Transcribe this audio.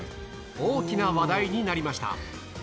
大きな話題になりました。